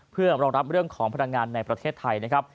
เพื่อรองรับเรื่องของพลังงานในประเทศไทยนะครับ